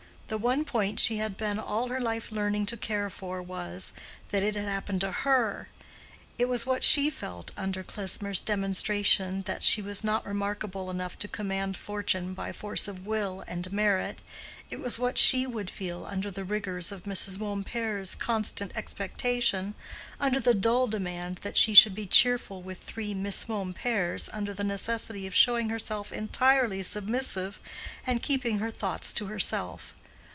The one point she had been all her life learning to care for was that it had happened to her: it was what she felt under Klesmer's demonstration that she was not remarkable enough to command fortune by force of will and merit; it was what she would feel under the rigors of Mrs. Mompert's constant expectation, under the dull demand that she should be cheerful with three Miss Momperts, under the necessity of showing herself entirely submissive, and keeping her thoughts to herself.